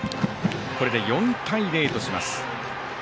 これで４対０とします。